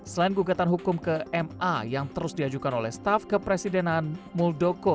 selain gugatan hukum ke ma yang terus diajukan oleh staff kepresidenan muldoko